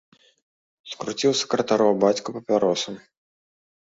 Скруціў сакратароў бацька папяросу.